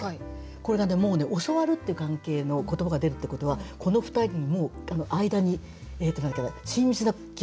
これなんてもうね「教わる」っていう関係の言葉が出るってことはこの２人の間に親密な空気は流れてないんですよ。